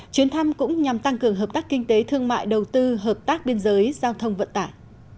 chuyến thăm cũng nhằm tăng cường hợp tác kinh tế thương mại đầu tư hợp tác biên giới giao thông vận tải